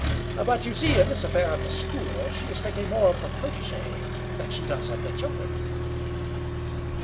"But, you see, in this affair of the school she is thinking more of her protégée than she does of the children."